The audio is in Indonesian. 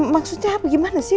maksudnya apa gimana sih